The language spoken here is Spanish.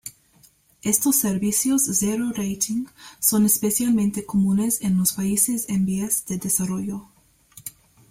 Estos servicios zero-rating son especialmente comunes en los países en vías de desarrollo.